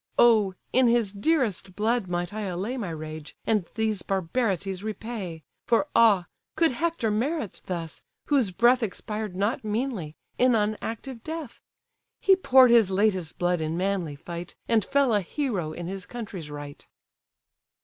Oh! in his dearest blood might I allay My rage, and these barbarities repay! For ah! could Hector merit thus, whose breath Expired not meanly, in unactive death? He poured his latest blood in manly fight, And fell a hero in his country's right."